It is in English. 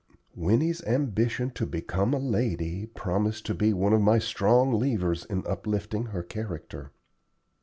Winnie's ambition to become a lady promised to be one of my strong levers in uplifting her character.